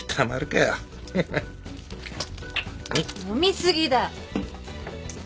飲み過ぎだ。